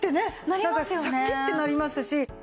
なんかシャキッてなりますし。